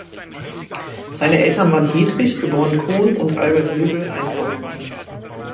Seine Eltern waren Hedwig geboren Kohn und Albert Löbl ein Kaufmann.